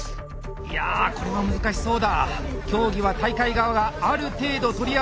いやこれは難しそうだ！